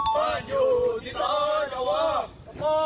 ต้านอยู่ที่ตอเจ้าวะ